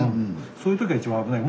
そういう時が一番危ない。